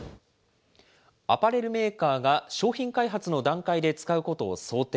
アパレルメーカーが商品開発の段階で使うことを想定。